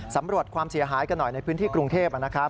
สำรวจความเสียหายกันหน่อยในพื้นที่กรุงเทพนะครับ